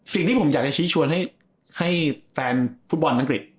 สิ่งที่ผมอยากจะชี้ชวนให้แฟนฟุตบอลอังกฤษ